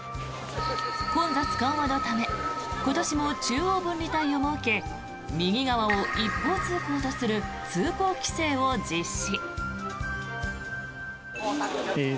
混雑緩和のため今年も中央分離帯を設け右側を一方通行とする通行規制を実施。